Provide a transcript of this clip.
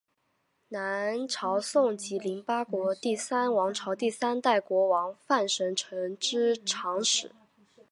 南朝宋及林邑国第三王朝第三代国王范神成之长史。